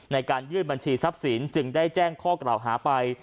ในการยื่นบัญชีทรัพย์สินจึงได้แจ้งข้อกล่าวหาไป